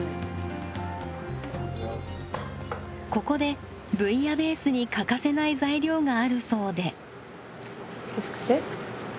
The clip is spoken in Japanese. ここでブイヤベースに欠かせない材料があるそうで。